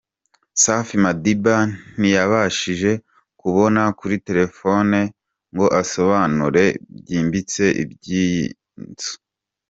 Safi Madiba ntiyabashije kuboneka kuri telefone ngo asobanure byimbitse iby’iyi nzu.